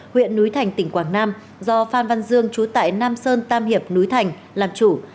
huyện núi thành tỉnh quảng nam do phan văn dương trú tại nam sơn tam hiệp núi thành làm chủ